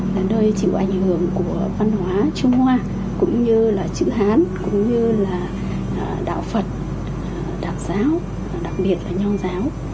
là nơi chịu ảnh hưởng của văn hóa trung hoa cũng như là chữ hán cũng như là đạo phật đạo giáo đặc biệt là nho giáo